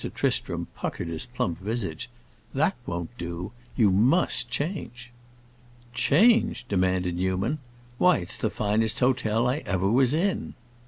Tristram puckered his plump visage. "That won't do! You must change." "Change?" demanded Newman. "Why, it's the finest hotel I ever was in."